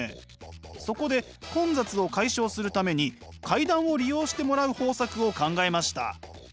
そこで混雑を解消するために階段を利用してもらう方策を考えました。